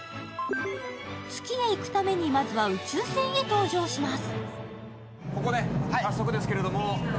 月へ行くために、まずは宇宙船へ搭乗します。